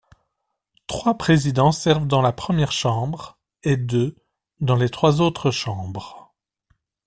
Trois présidents servent dans la première chambre et deux, dans les trois autres chambres.